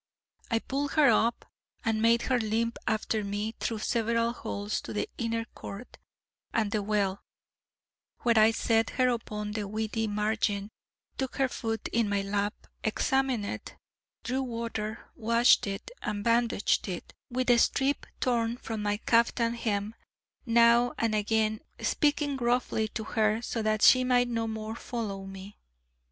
I pulled her up, and made her limp after me through several halls to the inner court, and the well, where I set her upon the weedy margin, took her foot in my lap, examined it, drew water, washed it, and bandaged it with a strip torn from my caftan hem, now and again speaking gruffly to her, so that she might no more follow me.